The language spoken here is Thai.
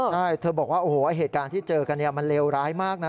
ใช่เธอบอกว่าโอ้โหเหตุการณ์ที่เจอกันมันเลวร้ายมากนะ